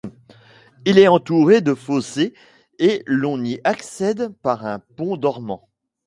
Il est entouré de fossés et l'on y accède par un pont dormant.